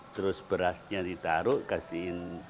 terus berasnya ditaruh